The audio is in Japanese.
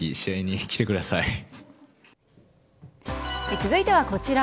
続いては、こちら。